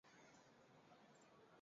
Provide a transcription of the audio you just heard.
府治建德县。